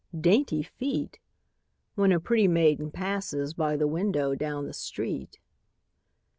"Dainty feet!" When a pretty maiden passes By the window down the street.